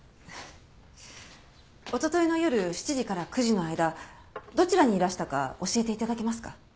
おとといの夜７時から９時の間どちらにいらしたか教えて頂けますか？